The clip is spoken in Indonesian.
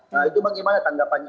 nah itu bagaimana tanggapannya